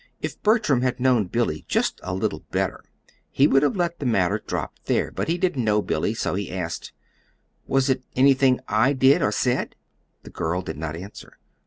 If Bertram had known Billy just a little better he would have let the matter drop there; but he did not know Billy, so he asked: "Was it anything I did or said?" The girl did not answer.